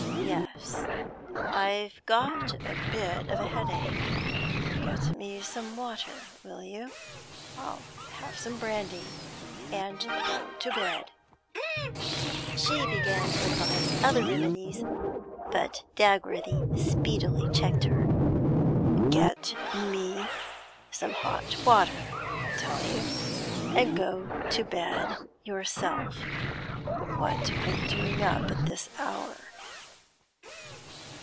'Yes, I've got a bit of a headache. Get me some hot water, will you? I'll have some brandy and go to bed.' She began to advise other remedies, but Dagworthy speedily checked her. 'Get me some hot water, I tell you, and go to bed yourself. What are you doing up at this hour?'